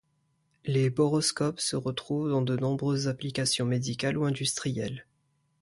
Les boroscopes se retrouvent dans de nombreuses applications médicales ou industrielles.